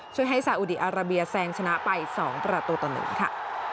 ช่วยให้ซาอุดีอาราเบียแซงชนะไป๒ประตูต่อ๑ค่ะ